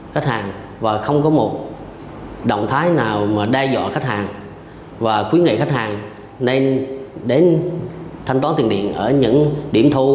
khách hàng và không có một động thái nào mà đe dọa khách hàng và khuyến nghị khách hàng nên đến thanh toán tiền điện ở những điểm thu